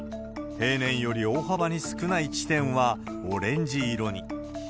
平年より大幅に少ない地点はオレンジ色に。